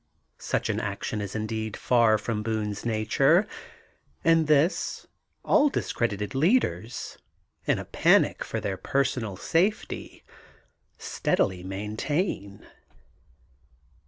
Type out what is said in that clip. Such an action is indeed far from Boone's nature. And this, all discredited leaders, in a panic for their personal safety, steadily maintain.